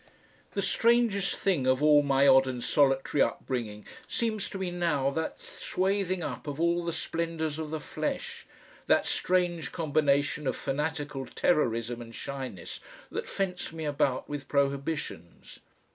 The strangest thing of all my odd and solitary upbringing seems to me now that swathing up of all the splendours of the flesh, that strange combination of fanatical terrorism and shyness that fenced me about with prohibitions.